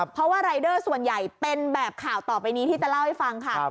เพราะว่ารายเดอร์ส่วนใหญ่เป็นแบบข่าวต่อไปนี้ที่จะเล่าให้ฟังค่ะ